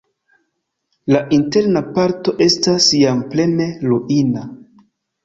La interna parto estas jam plene ruina.